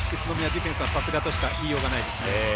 ディフェンスはさすがとしか言いようがないです。